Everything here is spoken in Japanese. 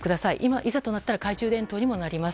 いざとなったら懐中電灯にもなります。